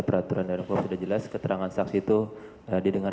berita acara ini benar